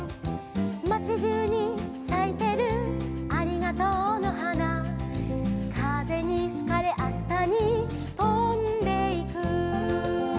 「まちじゅうにさいてるありがとうのはな」「かぜにふかれあしたにとんでいく」